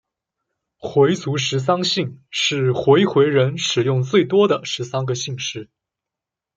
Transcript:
回族十三姓是回回人使用最多的十三个姓氏。